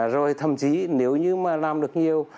rồi thậm chí nếu như mà làm được nhiều